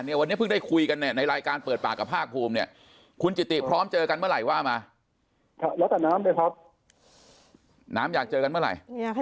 เดี๋ยวต้องให้ท่านายลงช่วยหน่อยปุ๊บว่ากมาวันนี้เลยมั้ยล่ะ